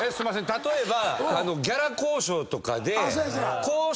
例えば。